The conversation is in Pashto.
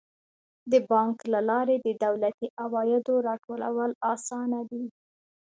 د بانک له لارې د دولتي عوایدو راټولول اسانه دي.